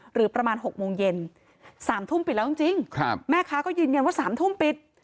หรือประมาณ๖โมงเย็น๓ทุ่มปิดแล้วจริงแม่ค้าก็ยืนยันว่า๓ทุ่มปิด